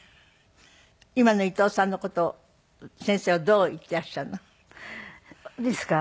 今の伊藤さんの事を先生はどう言っていらっしゃるの？ですか？